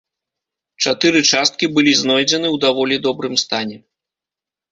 Чатыры часткі былі знойдзены ў даволі добрым стане.